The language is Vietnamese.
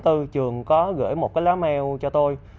trường có gửi một lá mail cho tôi